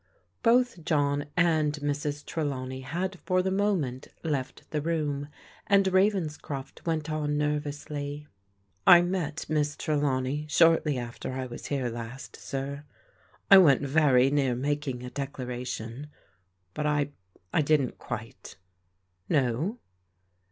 Both John and Mrs. Trelawney had for the moment left the room, and Ravenscroft went on nervously: " I met Miss Trelawney shortly after I was here last, sir. I went very near making a declaration: but I — ^I didn't quite." "No?"